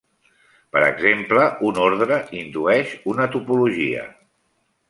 Per exemple, un ordre indueix una topologia.